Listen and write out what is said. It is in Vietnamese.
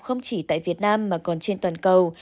không chỉ tại việt nam mà còn trên toàn cầu